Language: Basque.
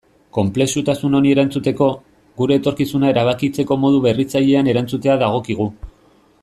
Konplexutasun honi erantzuteko, gure etorkizuna erabakitzeko modu berritzailean erantzutea dagokigu.